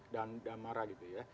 dan damara gitu ya